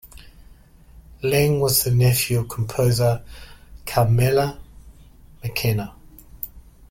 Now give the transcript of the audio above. Leng was the nephew of composer Carmela Mackenna.